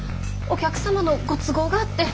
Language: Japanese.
お客様のご都合があって。